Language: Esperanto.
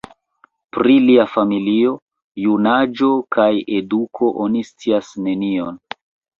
Pri lia familio, junaĝo kaj eduko oni scias nenion.